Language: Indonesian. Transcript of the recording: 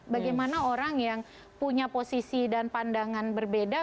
bagaimana orang yang punya posisi dan pandangan berbeda